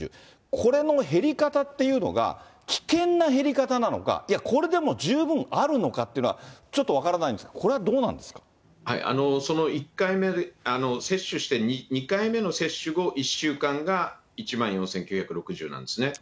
これの減り方っていうのが、危険な減り方なのか、いや、これでも十分あるのかっていうのが、ちょっと分からないんですが、その１回目、接種して、２回目の接種後、１週間が１万４９６０なんですね。